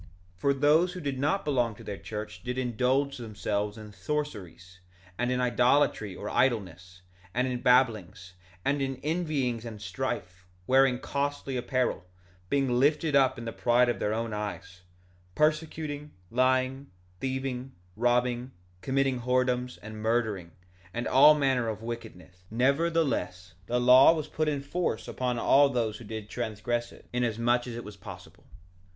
1:32 For those who did not belong to their church did indulge themselves in sorceries, and in idolatry or idleness, and in babblings, and in envyings and strife; wearing costly apparel; being lifted up in the pride of their own eyes; persecuting, lying, thieving, robbing, committing whoredoms, and murdering, and all manner of wickedness; nevertheless, the law was put in force upon all those who did transgress it, inasmuch as it was possible.